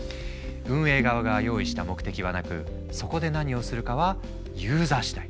運営側が用意した目的はなくそこで何をするかはユーザー次第。